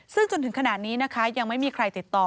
ซึ่งจนถึงขนาดนี้นะคะยังไม่มีใครติดต่อ